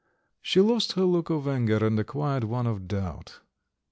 She lost her look of anger and acquired one of doubt.